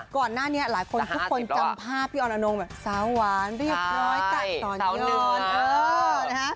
ก่อนหน้านี้หลายคนทุกคนจำภาพพี่ออนอนงแบบสาวหวานเรียบร้อยตัดตอนเยิน